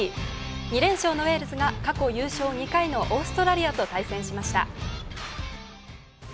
２連勝のウェールズが過去優勝２回のオーストラリアと対戦しました。